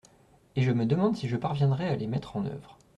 Et je me demande si je parviendrai à les mettre en oeuvre.